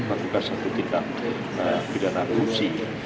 merakukan satu tindak pidana fungsi